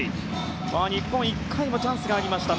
日本は１回はチャンスがありました。